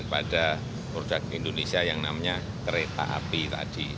pada produk indonesia yang namanya kereta api tadi